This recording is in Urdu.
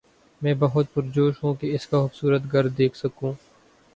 میں بہت پرجوش ہوں کہ اس کا خوبصورت گھر دیکھ سکوں